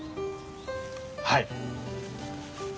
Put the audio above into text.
はい。